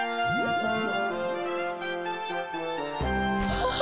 ああ！